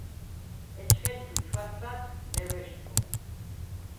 ეჩხენჩუ ჩვაჩვადდ ლევეშთხო.